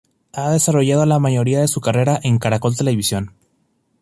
Ha desarrollado la mayoría de su carrera en Caracol Televisión.